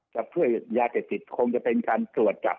ตรงฤทธิ์ยาเศรษฐศิลป์คงจะเป็นการตรวจกรรม